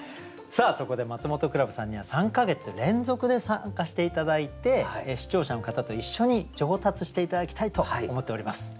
そこでマツモトクラブさんには３か月連続で参加して頂いて視聴者の方と一緒に上達して頂きたいと思っております。